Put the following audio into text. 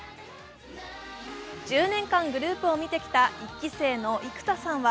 １０年間、グループを見てきた１期生の生田さんは